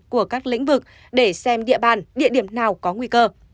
của các lĩnh vực để xem địa bàn địa điểm nào có nguy cơ